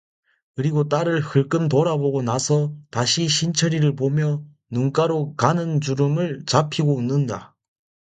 그리고 딸을 흘금 돌아보고 나서 다시 신철이를 보며 눈가로 가는 주름을 잡히고 웃는다.